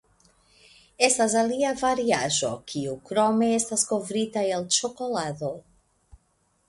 Estas alia variaĵo kiu krome estas kovrita el ĉokolado.